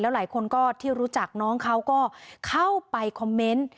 หลายคนก็ที่รู้จักน้องเขาก็เข้าไปคอมเมนต์